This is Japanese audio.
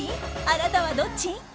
あなたはどっち？